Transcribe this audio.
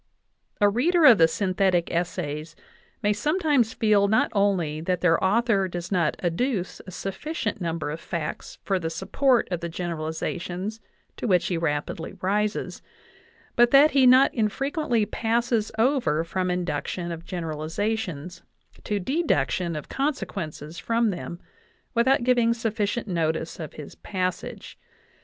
A reader of the synthetic essays may sometimes feel not only that their author does not adduce a sufficient number of facts for the support of the generalizations to which he rapidly rises, but that he not infrequently passes over from induction of generalizations to deduction of consequences from them Without giving sufficient notice of his passage.